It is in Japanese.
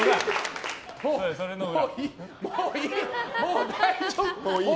もういい。